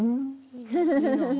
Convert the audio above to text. フフフフ。